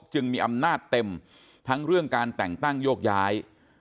จึงมีอำนาจเต็มทั้งเรื่องการแต่งตั้งโยกย้าย